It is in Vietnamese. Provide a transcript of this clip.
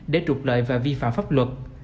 để trục lợi và vi phạm pháp luật